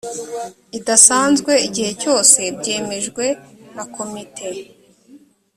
idasanzwe igihe cyose byemejwe na komite